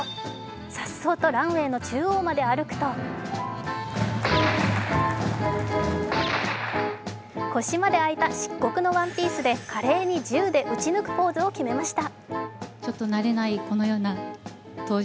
颯爽とランウェイの中央まで歩くと腰まで開いた漆黒のワンピースで華麗に銃で撃ち抜くポーズを決めました。